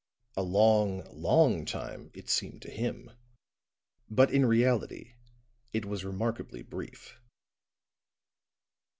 A long, long time, it seemed to him, but in reality it was remarkably brief.